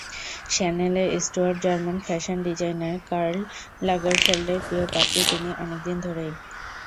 শ্যানেলে স্টুয়ার্টজার্মান fashion designer Karl লাগারফেল্ডের প্রিয় পাত্রী তিনি অনেক দিন ধরেই।